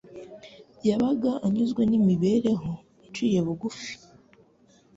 Yabaga anyuzwe n'imibereho iciye bugufi.